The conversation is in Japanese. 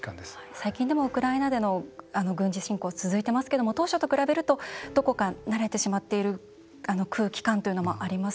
最近でもウクライナでの軍事侵攻続いていますけども当初と比べるとどこか慣れてしまっている空気感というのもあります。